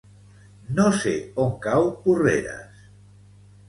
No sé on cau Porreres.